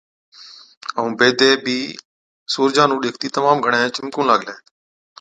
ائُون بيدَي بِي سُورجا نُون ڏيکتِي تمام گھڻَي چمڪُون لاگلَي۔